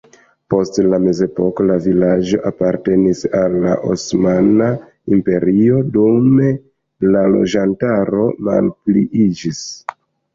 Post la mezepoko la vilaĝo apartenis al la Osmana Imperio, dume la loĝantaro malpliiĝis.